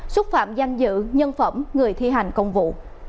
xúc phạm danh dự nhân phẩm người thi hành công vụ